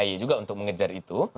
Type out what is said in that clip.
tugas kai juga untuk mengejar itu